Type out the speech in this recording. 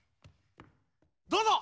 どうぞ！